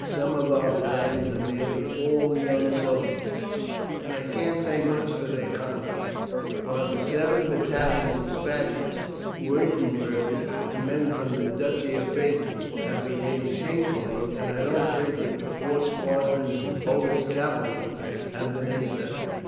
Some of our battalions are nearly all young soldiers, and I can't say much for their conduct, while the seven battalions of Spaniards, Wurtemburgers, and men from the Duchy of Baden have behaved shamefully, and I don't think that the four squadrons of Polish cavalry have been any better.